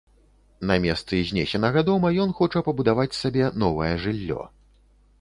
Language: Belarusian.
На месцы знесенага дома ён хоча пабудаваць сабе новае жыллё.